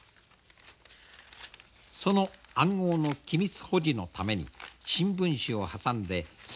その暗号の機密保持のために新聞紙を挟んで透かし読みを防ぐ。